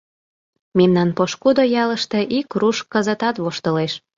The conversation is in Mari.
Мемнан пошкудо ялыште ик руш кызытат воштылеш: